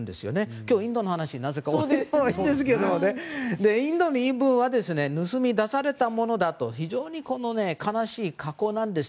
今日、なぜかインドの話だったんですがインドの言い分は盗み出されたものだと非常に悲しい過去なんです。